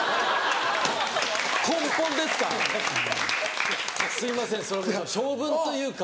根本ですか⁉すいません性分というか。